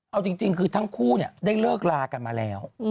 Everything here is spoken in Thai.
เอาจริงคือทั้งคู่ได้เลิกลากันมาแล้ว